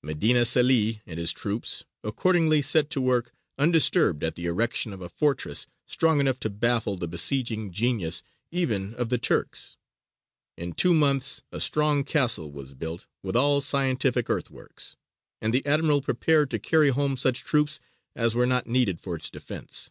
Medina Celi and his troops accordingly set to work undisturbed at the erection of a fortress strong enough to baffle the besieging genius even of the Turks. In two months a strong castle was built, with all scientific earthworks, and the admiral prepared to carry home such troops as were not needed for its defence.